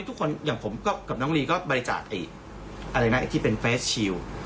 ทุกคนอย่างผมกับน้องลีก็บริจาคอะไรนะที่เป็นเฟสชิล